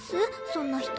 そんな人。